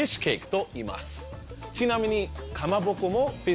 ちなみに。